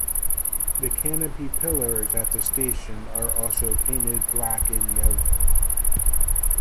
The canopy pillars at the station are also painted black and yellow.